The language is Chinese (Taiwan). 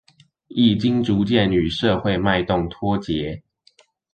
已經逐漸與社會脈動脫節